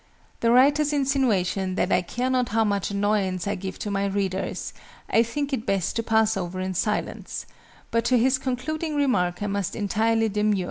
The writer's insinuation that I care not how much annoyance I give to my readers I think it best to pass over in silence; but to his concluding remark I must entirely demur.